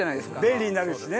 便利になるしね。